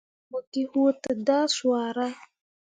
Mo gi huu dǝdah swara.